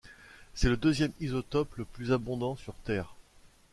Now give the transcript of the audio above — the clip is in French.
C'est le deuxième isotope le plus abondant sur Terre.